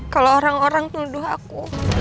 kalau orang orang tuduh aku